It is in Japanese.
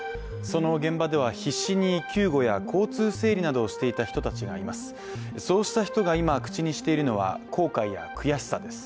その現場では必死に救護や交通整理をしていた人たちがいます。